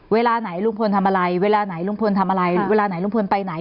เวลาไหนลุงพลทำอะไรเวลาไหนลุงพลทำอะไรเวลาไหนลุงพลไปไหน